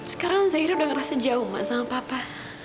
sekarang zaira udah ngerasa jauh ma sama papa